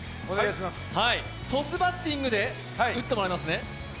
トスバッティングで打ってもらいますね。